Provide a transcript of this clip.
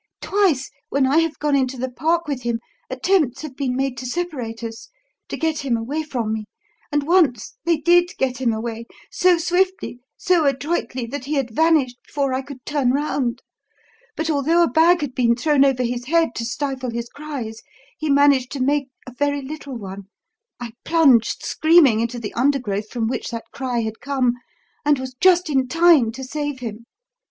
"Twice when I have gone into the Park with him, attempts have been made to separate us, to get him away from me; and once they did get him away so swiftly, so adroitly, that he had vanished before I could turn round. But, although a bag had been thrown over his head to stifle his cries, he managed to make a very little one. I plunged screaming into the undergrowth from which that cry had come, and was just in time to save him.